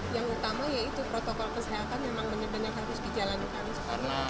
yang utama yaitu protokol kesehatan memang benar benar harus dijalankan